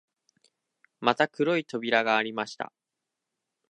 また黒い扉がありました